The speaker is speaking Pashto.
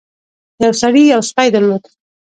یو سړي یو سپی درلود.